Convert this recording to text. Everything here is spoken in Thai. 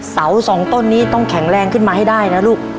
สองต้นนี้ต้องแข็งแรงขึ้นมาให้ได้นะลูก